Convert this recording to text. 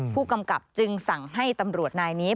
ผู้กำกับจึงสั่งให้ตำรวจนายนี้